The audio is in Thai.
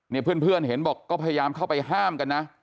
เพื่อนเห็นบอกก็พยายามเข้าไปห้ามกันนะ